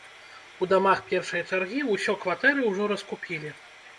У дамах першай чаргі ўсё кватэры ўжо раскупілі.